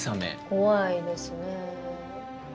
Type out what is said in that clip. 怖いですね。